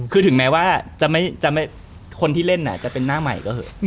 คือถึงแม้ว่าคนที่เล่นจะเป็นหน้าใหม่ก็เถอะ